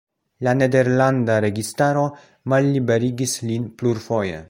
La nederlanda registaro malliberigis lin plurfoje.